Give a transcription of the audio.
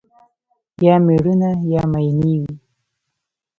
یا مېړونه یا ماينې وي